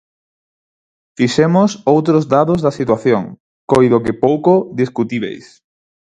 Fixemos outros dados da situación, coido que pouco discutíbeis.